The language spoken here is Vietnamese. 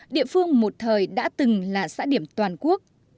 địa phương một thời đã từng là xã điểm toàn quốc